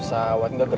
sampai jumpa lagi